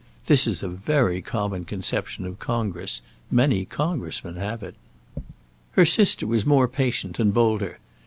This is a very common conception of Congress; many Congressmen share it. Her sister was more patient and bolder.